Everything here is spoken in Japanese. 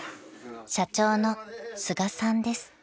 ［社長の菅さんです］